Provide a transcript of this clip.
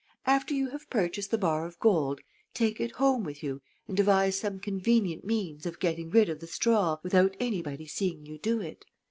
After you have purchased the bar of gold, take it home with you and devise some convenient means of getting rid of the straw without anybody seeing you do it.